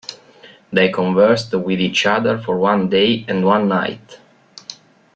They conversed with each other for one day and one night.